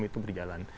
semua itu berjalan